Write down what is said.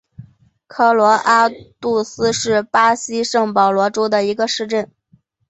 科罗阿杜斯是巴西圣保罗州的一个市镇。